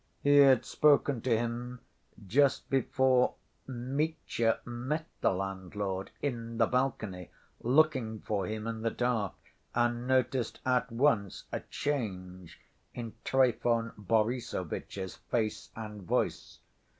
He had spoken to him just before Mitya met the landlord in the balcony, looking for him in the dark, and noticed at once a change in Trifon Borissovitch's face and voice.